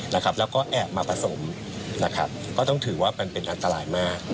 แล้วแอบมาผสมก็ต้องถือว่าเป็นอันตรายมาก